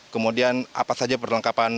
kemudian apa saja perlengkapan